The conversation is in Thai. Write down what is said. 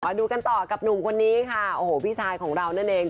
มาดูกันต่อกับหนุ่มคนนี้ค่ะโอ้โหพี่ชายของเรานั่นเอง